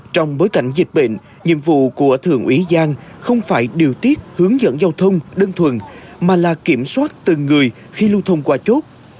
trong bối cảnh dịch bệnh nhiệm vụ của thượng úy giang không phải điều tiết hướng dẫn giao thông đơn thuần mà là kiểm soát từng người khi lưu thông qua chốt